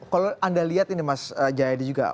kalau anda lihat ini mas jayadi juga